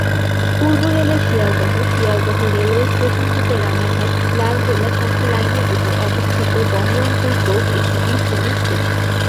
পূর্ব rail এর Sealdah Sealdah railway station হতে রাণাঘাট- লালগোলা শাখা লাইনের উপর অবস্থিত বহরমপুর কোর্ট একটি 'বি' শ্রেণির স্টেশন।